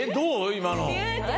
今の。